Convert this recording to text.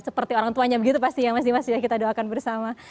seperti orang tuanya begitu pasti ya mas dimas ya kita doakan bersama